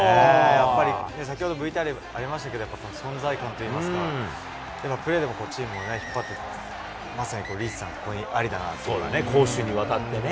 やっぱり先ほどＶＴＲにもありましたけど、存在感といいますか、プレーでもチームを引っ張ってって、まさにリーチさん、ここにありだなというのが。